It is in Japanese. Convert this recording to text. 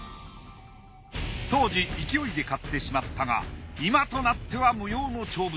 当時勢いで買ってしまったが今となっては無用の長物。